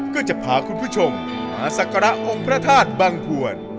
ก็จะพาคุณผู้ชมมาสักระองค์พระทาดบางผ่วน